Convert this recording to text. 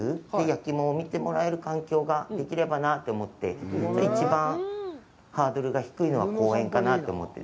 焼き物を見てもらえる環境ができればなと思って、一番ハードルが低いのは公園かなと思って。